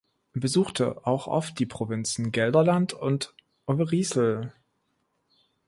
Besuchte auch oft die Provinzen Gelderland und Overijssel.